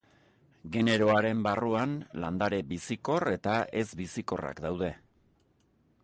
Generoaren barruan landare bizikor eta ez-bizikorrak daude.